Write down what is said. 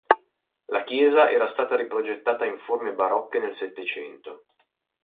La chiesa era stata riprogettata in forme barocche nel Settecento.